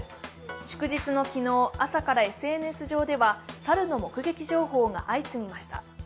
祝日の昨日、朝からＳＮＳ上では猿の目撃情報が相次ぎました。